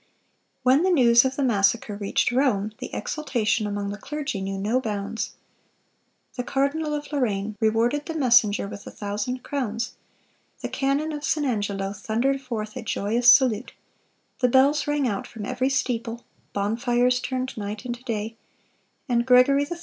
"When the news of the massacre reached Rome, the exultation among the clergy knew no bounds. The cardinal of Lorraine rewarded the messenger with a thousand crowns; the cannon of St. Angelo thundered forth a joyous salute; the bells rang out from every steeple; bonfires turned night into day; and Gregory XIII.